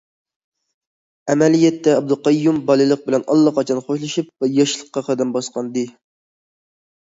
ئەمەلىيەتتە ئابدۇقەييۇم بالىلىق بىلەن ئاللىقاچان خوشلىشىپ، ياشلىققا قەدەم باسقانىدى.